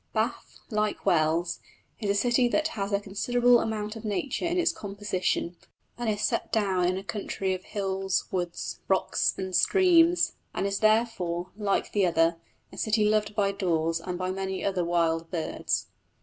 Bath, like Wells, is a city that has a considerable amount of nature in its composition, and is set down in a country of hills, woods, rocks and streams, and is therefore, like the other, a city loved by daws and by many other wild birds.